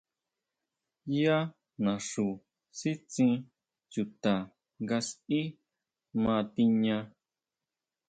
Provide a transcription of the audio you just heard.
Yá naxú sitsín chuta nga sʼí ma tiña.